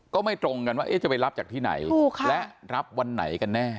ก็ไม่ตรงกันว่าจะไปรับจากที่ไหนและรับวันไหนกันแน่